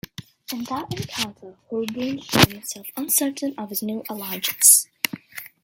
In that encounter, Holborne showed himself uncertain of his new allegiance.